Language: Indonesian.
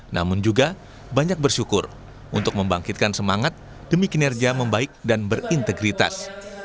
namun juga banyak bersyukur untuk membangkitkan semangat demi kinerja membaik dan berintegritas